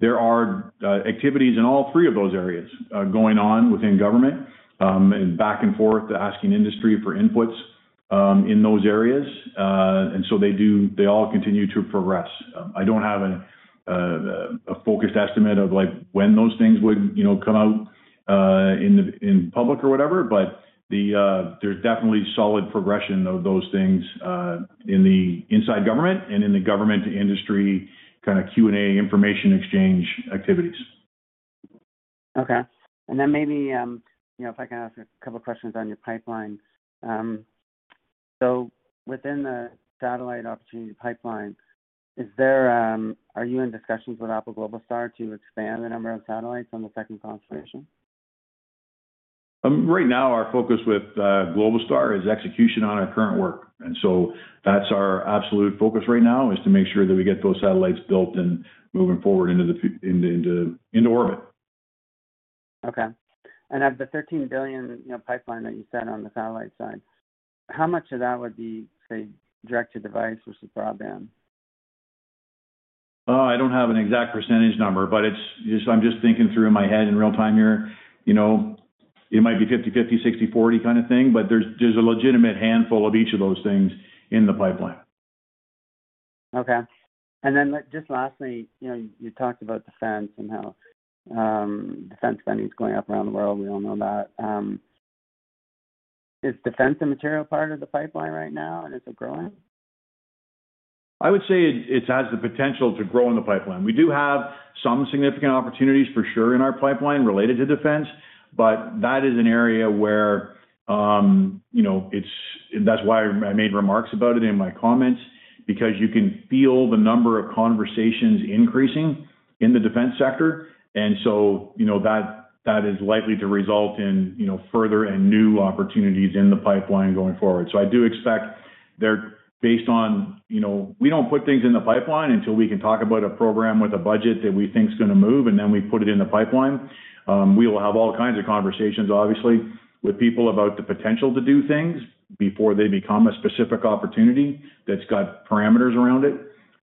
There are activities in all three of those areas going on within government and back and forth asking industry for inputs in those areas. They all continue to progress. I don't have a focused estimate of when those things would come out in public or whatever, but there's definitely solid progression of those things in the inside government and in the government industry kind of Q&A information exchange activities. Okay. Maybe if I can ask a couple of questions on your pipeline. Within the satellite opportunity pipeline, are you in discussions with Apple Globalstar to expand the number of satellites on the second constellation? Right now, our focus with Globalstar is execution on our current work. That's our absolute focus right now, to make sure that we get those satellites built and moving forward into orbit. Okay. Of the $13 billion pipeline that you said on the satellite side, how much of that would be, say, direct-to-device, which is broadband? I don't have an exact percentage number, but I'm just thinking through in my head in real time here. It might be 50/50, 60/40 kind of thing, but there's a legitimate handful of each of those things in the pipeline. Okay. Lastly, you talked about defense and how defense spending is going up around the world. We all know that. Is defense a material part of the pipeline right now, and is it growing? I would say it has the potential to grow in the pipeline. We do have some significant opportunities for sure in our pipeline related to defense, but that is an area where that's why I made remarks about it in my comments, because you can feel the number of conversations increasing in the defense sector. That is likely to result in further and new opportunities in the pipeline going forward. I do expect they're based on we don't put things in the pipeline until we can talk about a program with a budget that we think is going to move, and then we put it in the pipeline. We will have all kinds of conversations, obviously, with people about the potential to do things before they become a specific opportunity that's got parameters around it.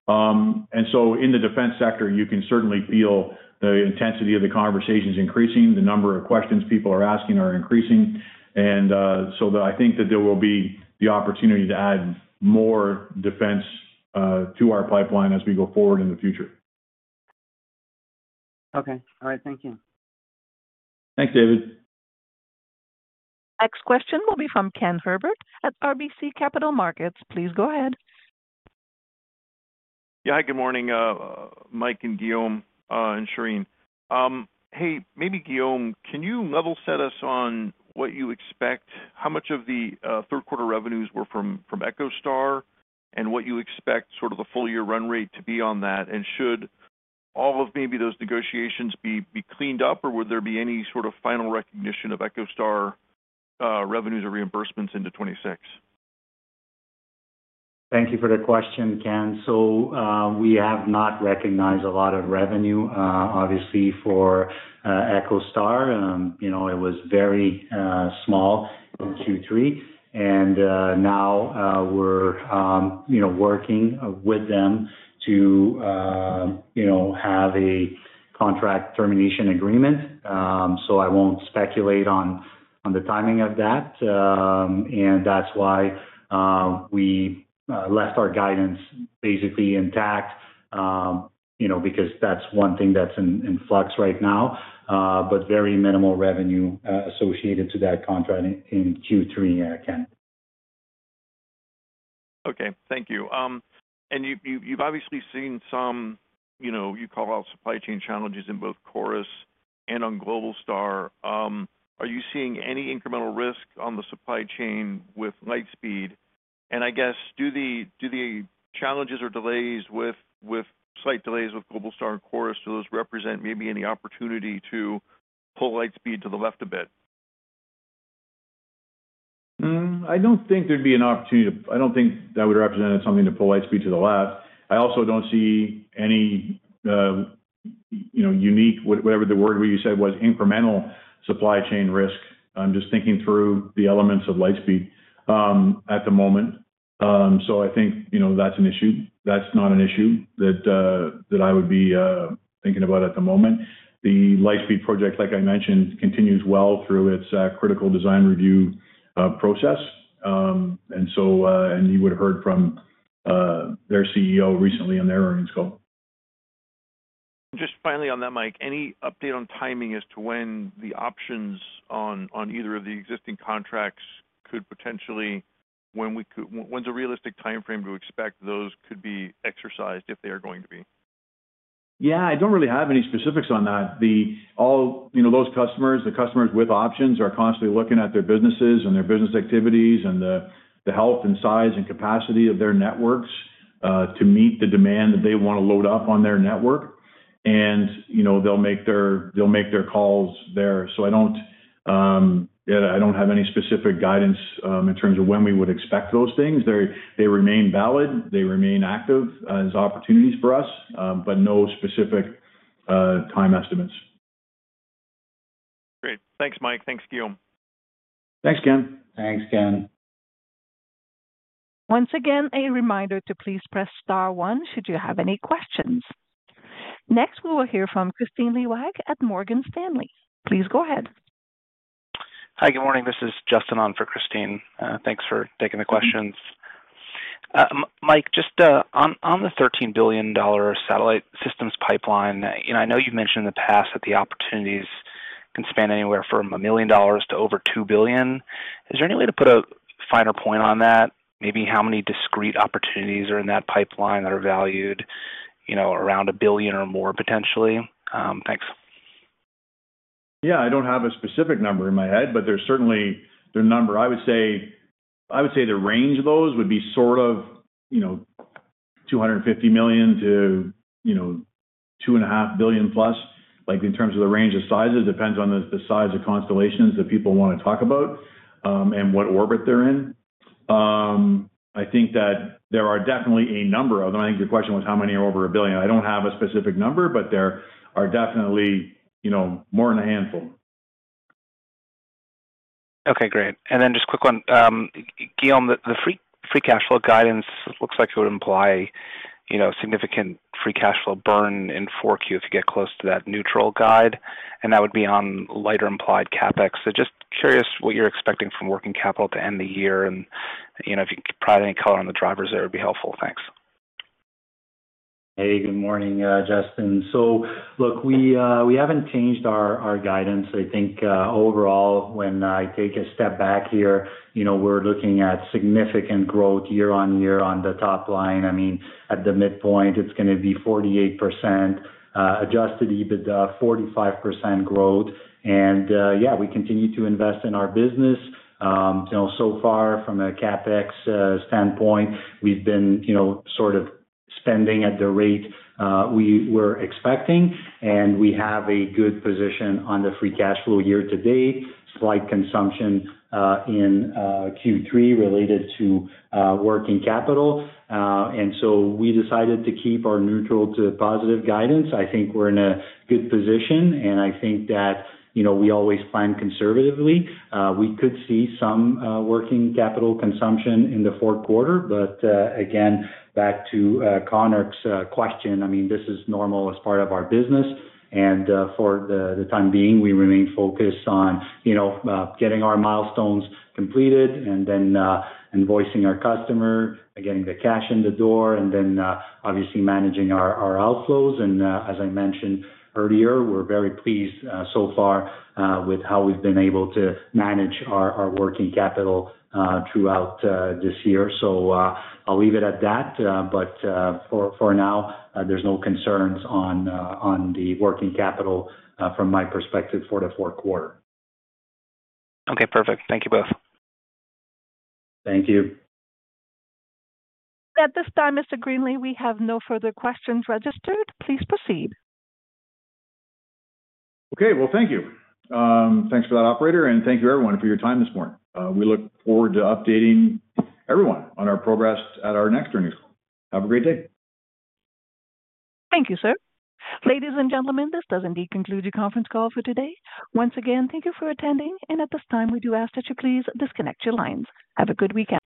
In the defense sector, you can certainly feel the intensity of the conversations increasing. The number of questions people are asking are increasing. I think that there will be the opportunity to add more defense to our pipeline as we go forward in the future. Okay. All right. Thank you. Thanks, David. Next question will be from Ken Herbert at RBC Capital Markets. Please go ahead. Yeah. Hi, good morning. Mike and Guillaume and Shereen. Hey, maybe Guillaume, can you level set us on what you expect? How much of the third-quarter revenues were from EchoStar and what you expect sort of the full-year run rate to be on that? Should all of maybe those negotiations be cleaned up, or would there be any sort of final recognition of EchoStar revenues or reimbursements into 2026? Thank you for the question, Ken. We have not recognized a lot of revenue, obviously, for EchoStar. It was very small in Q3. We are working with them to have a contract termination agreement. I will not speculate on the timing of that. That is why we left our guidance basically intact, because that is one thing that is in flux right now, but very minimal revenue associated to that contract in Q3, Ken. Okay. Thank you. You have obviously seen some, you call out supply chain challenges in both CHORUS and on Globalstar. Are you seeing any incremental risk on the supply chain with Lightspeed? I guess, do the challenges or delays with site delays with Globalstar and CHORUS, do those represent maybe any opportunity to pull Lightspeed to the left a bit? I do not think there would be an opportunity to, I do not think that would represent something to pull Lightspeed to the left. I also do not see any unique, whatever the word you said was, incremental supply chain risk. I am just thinking through the elements of Lightspeed at the moment. I think that is an issue. That is not an issue that I would be thinking about at the moment. The Lightspeed project, like I mentioned, continues well through its critical design review process. You would have heard from their CEO recently on their earnings call. Just finally on that, Mike, any update on timing as to when the options on either of the existing contracts could potentially, when's a realistic timeframe to expect those could be exercised if they are going to be? Yeah. I don't really have any specifics on that. All those customers, the customers with options, are constantly looking at their businesses and their business activities and the health and size and capacity of their networks to meet the demand that they want to load up on their network. They'll make their calls there. I don't have any specific guidance in terms of when we would expect those things. They remain valid. They remain active as opportunities for us, but no specific time estimates. Great. Thanks, Mike. Thanks, Guillaume. Thanks, Ken. Thanks, Ken. Once again, a reminder to please press star one should you have any questions. Next, we will hear from Christine Liwag at Morgan Stanley. Please go ahead. Hi, good morning. This is Justin on for Christine. Thanks for taking the questions. Mike, just on the $13 billion satellite systems pipeline, I know you've mentioned in the past that the opportunities can span anywhere from $1 million to over $2 billion. Is there any way to put a finer point on that? Maybe how many discrete opportunities are in that pipeline that are valued around $1 billion or more potentially? Thanks. Yeah. I don't have a specific number in my head, but there's certainly the number. I would say the range of those would be sort of $250 million-$2.5 billion+. In terms of the range of sizes, it depends on the size of constellations that people want to talk about and what orbit they're in. I think that there are definitely a number of them. I think your question was how many are over a billion. I don't have a specific number, but there are definitely more than a handful. Okay. Great. And then just quick one. Guillaume, the free cash flow guidance looks like it would imply significant free cash flow burn in Q4 if you get close to that neutral guide. And that would be on lighter implied CapEx. Just curious what you're expecting from working capital at the end of the year. If you could provide any color on the drivers, that would be helpful. Thanks. Hey, good morning, Justin. Look, we haven't changed our guidance. I think overall, when I take a step back here, we're looking at significant growth year-on-year on the top line. I mean, at the midpoint, it's going to be 48% Adjusted EBITDA, 45% growth. Yeah, we continue to invest in our business. So far, from a CapEx standpoint, we've been sort of spending at the rate we were expecting. We have a good position on the free cash flow year-to-date, slight consumption in Q3 related to working capital. We decided to keep our neutral to positive guidance. I think we're in a good position. I think that we always plan conservatively. We could see some working capital consumption in the fourth quarter. Again, back to Konark's question, I mean, this is normal as part of our business. For the time being, we remain focused on getting our milestones completed and then invoicing our customer, getting the cash in the door, and obviously managing our outflows. As I mentioned earlier, we're very pleased so far with how we've been able to manage our working capital throughout this year. I'll leave it at that. For now, there's no concerns on the working capital from my perspective for the fourth quarter. Perfect. Thank you both. Thank you. At this time, Mr. Greenley, we have no further questions registered. Please proceed. Thank you. Thanks for that, operator. Thank you, everyone, for your time this morning. We look forward to updating everyone on our progress at our next earnings call. Have a great day. Thank you, sir. Ladies and gentlemen, this does indeed conclude your conference call for today. Once again, thank you for attending. At this time, we do ask that you please disconnect your lines. Have a good weekend.